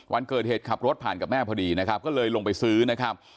วันเกิดเหตุขับรถผ่านกับแม่พอดีนะครับก็เลยลงไปซื้อนะครับ